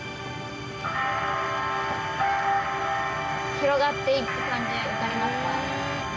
広がって行く感じ分かりますか？